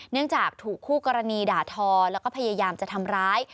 จากถูกคู่กรณีด่าทอแล้วก็พยายามจะทำร้าย